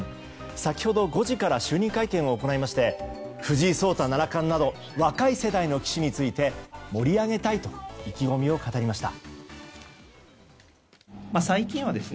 先ほど５時から就任会見を行いまして藤井聡太七冠など若い世代の棋士について盛り上げたいと意気込みを語りました。